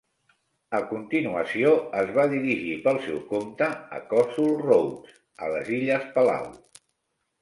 A continuació, es va dirigir pel seu compte a Kossol Roads, a les illes Palau.